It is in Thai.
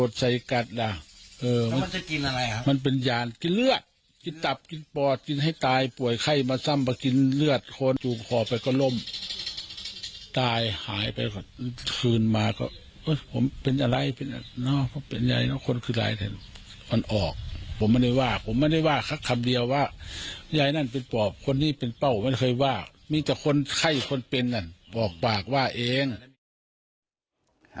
ปากันก็ว่าไปปากันก็ว่าไปปากันก็ว่าไปปากันก็ว่าไปปากันก็ว่าไปปากันก็ว่าไปปากันก็ว่าไปปากันก็ว่าไปปากันก็ว่าไปปากันก็ว่าไปปากันก็ว่าไปปากันก็ว่าไปปากันก็ว่าไปปากันก็ว่าไปปากันก็ว่าไปปากันก็ว่าไปปากันก็ว่าไปปากันก็ว่าไปปากันก็ว่าไปปากันก็ว่าไปป